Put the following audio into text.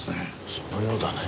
そのようだね。